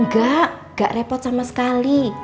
enggak enggak repot sama sekali